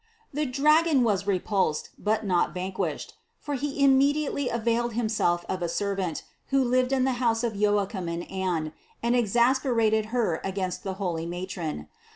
320. The dragon was repulsed, but not vanquished; for he immediately availed himself of a servant, who lived in the house with Joachim and Anne, and exasper ated her against the holy matron.